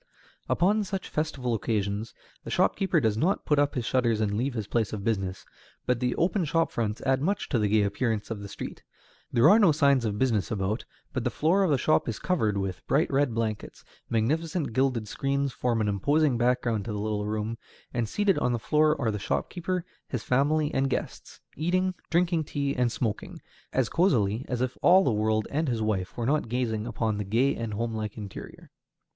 Upon such festival occasions the shopkeeper does not put up his shutters and leave his place of business, but the open shop fronts add much to the gay appearance of the street. There are no signs of business about, but the floor of the shop is covered with bright red blankets; magnificent gilded screens form an imposing background to the little room; and seated on the floor are the shopkeeper, his family, and guests, eating, drinking tea, and smoking, as cosily as if all the world and his wife were not gazing upon the gay and homelike interior.